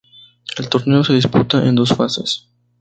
El torneo se disputa en dos fases.